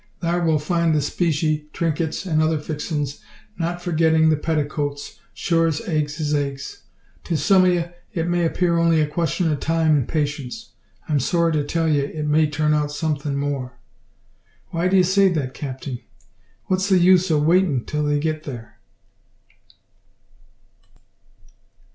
Thar, we'll find the specie, trinkets, an' other fixins not forgetting the petticoats sure as eggs is eggs. To some o' ye it may appear only a question o' time and patience. I'm sorry to tell ye it may turn out somethin' more." "Why d'ye say that, capting? What's the use o' waitin' till they get there?"